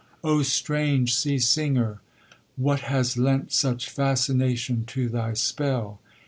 Oh, strange sea singer! what has lent Such fascination to thy spell?